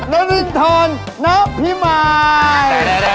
ณฤนธรณ์ณพิมัย